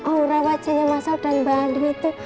aura wajahnya masal dan banding itu